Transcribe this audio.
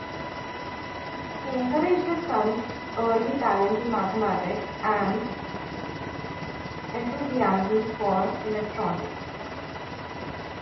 He encouraged his son's early talent in mathematics and enthusiasm for electronics.